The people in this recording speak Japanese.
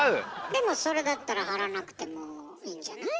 でもそれだったら張らなくてもいいんじゃない？